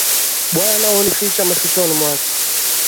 Bwana hunificha mafichoni mwake.